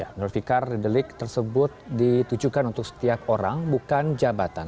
menurut fikar delik tersebut ditujukan untuk setiap orang bukan jabatan